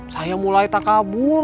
saya mulai tak kabur